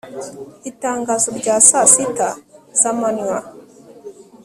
itangazo rya sa sita zamanywa